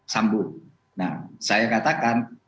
sambung nah saya katakan